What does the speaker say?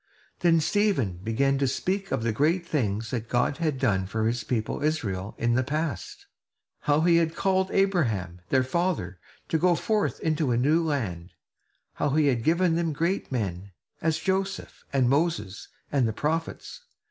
Then Stephen began to speak of the great things that God had done for his people Israel in the past; how he had called Abraham, their father, to go forth into a new land; how he had given them great men, as Joseph, and Moses, and the prophets.